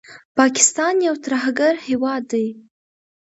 پاکستان یو ترهګر هیواد دي